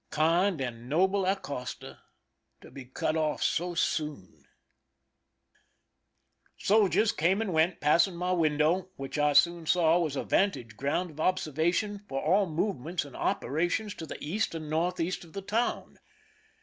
Kind and noble Acosta, to be cut off so soon ! Soldiers came and went, passing my window, which I soon saw was a vantage ground of obser vation for all movements and operations to the east and northeast of the town.